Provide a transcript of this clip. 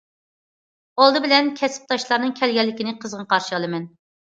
ئالدى بىلەن كەسىپداشلارنىڭ كەلگەنلىكىنى قىزغىن قارشى ئالىمەن!